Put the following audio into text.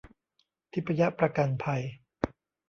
ทิพยประกันภัย